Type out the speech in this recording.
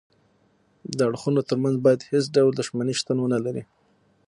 د اړخونو ترمنځ باید هیڅ ډول دښمني شتون ونلري